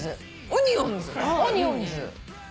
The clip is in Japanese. オニオンズ。